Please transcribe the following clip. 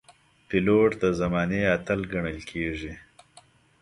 پیلوټ د زمانې اتل ګڼل کېږي.